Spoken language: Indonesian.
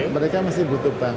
mereka masih butuh bank